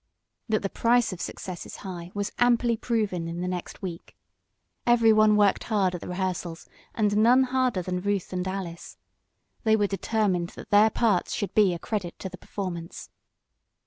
That the price of success is high was amply proven in the next week. Everyone worked hard at the rehearsals, and none harder than Ruth and Alice. They were determined that their parts should be a credit to the performance.